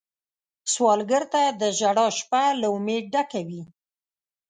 سوالګر ته د ژړا شپه له امید ډکه وي